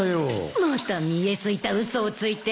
また見え透いた嘘をついて。